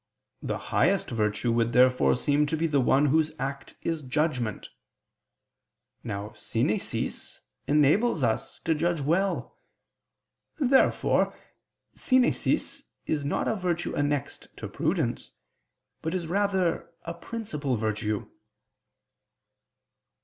The highest virtue would therefore seem to be the one whose act is judgment. Now synesis enables us to judge well. Therefore synesis is not a virtue annexed to prudence, but rather is a principal virtue.